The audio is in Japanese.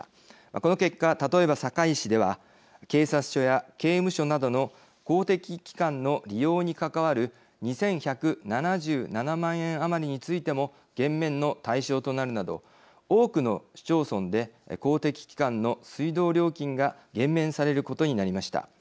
この結果、例えば堺市では警察署や刑務所などの公的機関の利用に関わる２１７７万円余りについても減免の対象となるなど多くの市町村で公的機関の水道料金が減免されることになりました。